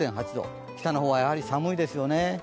北の方はやはり寒いですよね。